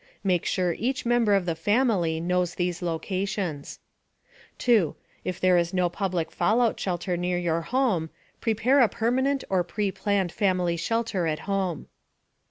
Make sure each member of the family knows these locations. 2. If there is no public fallout shelter near your home, prepare a permanent or preplanned family shelter at home.